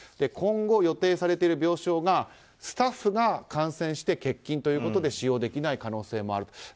今後予定されている病床がスタッフが感染して欠勤ということで使用できない可能性もあると。